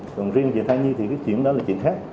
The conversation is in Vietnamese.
còn riêng về thai nhi thì cái chuyện đó là chuyện khác